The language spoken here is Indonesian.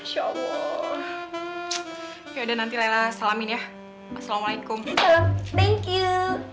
ya udah nanti laila salamin ya assalamualaikum thank you